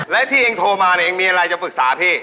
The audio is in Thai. และที่เองโทรมาเนี่ยเองมีอะไรจะปรึกษาพี่